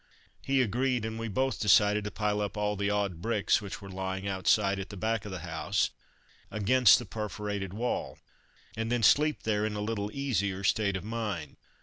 He agreed, and we both decided to pile up all the odd bricks, which were lying outside at the back of the house, against the perforated wall, and then sleep there in a little easier state of mind.